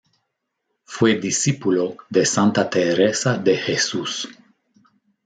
Fue discípulo de santa Teresa de Jesús.